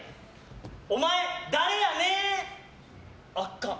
お前、誰やねーん！あかん。